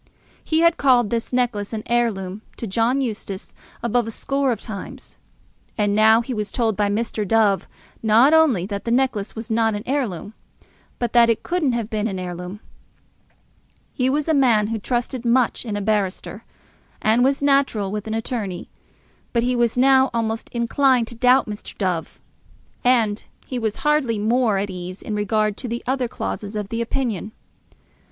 He had called this necklace an heirloom to John Eustace above a score of times; and now he was told by Mr. Dove not only that the necklace was not an heirloom, but that it couldn't have been an heirloom. He was a man who trusted much in a barrister, as was natural with an attorney; but he was now almost inclined to doubt Mr. Dove. And he was hardly more at ease in regard to the other clauses of the opinion.